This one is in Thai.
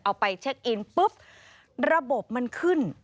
เอาไปเช็คอินปุ๊บระบบมันขึ้น